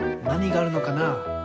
なにがあるのかな？